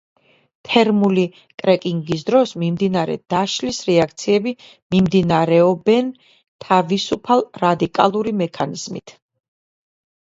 თერმული კრეკინგის დროს მიმდინარე დაშლის რეაქციები მიმდინარეობენ თავისუფალ რადიკალური მექანიზმით.